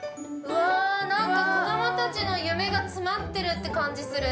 ◆なんか子供たちの夢が詰まってるって感じする。